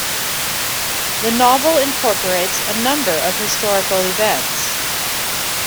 The novel incorporates a number of historical events.